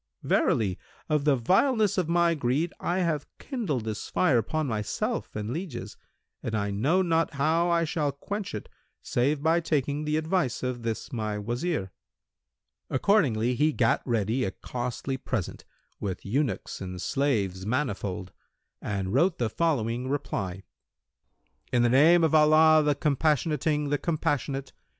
Verily, of the vileness of my greed I have kindled this fire upon myself and lieges, and I know not how I shall quench it, save by taking the advice of this my Wazir." Accordingly he gat ready a costly present, with eunuchs and slaves manifold, and wrote the following reply, "In the name of Allah the Compassionating, the Compassionate!